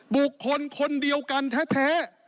บุคคลคนเดียวกันแท้